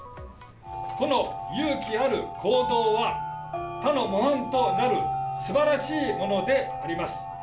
その勇気ある行動は、他の模範となるすばらしいものであります。